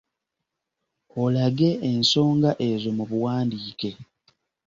Olage ensonga ezo mu buwandiike.